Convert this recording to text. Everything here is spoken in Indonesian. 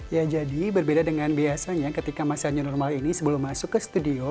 ya jadi berbeda dengan biasanya ketika masa new normal ini sebelum masuk ke studio